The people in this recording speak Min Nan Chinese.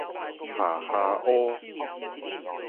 夏哈烏